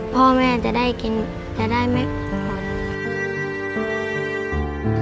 พ่อแม่จะได้กินจะได้ไม่หมดค่ะ